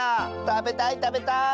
たべたいたべたい！